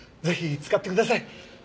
ぜひ使ってください。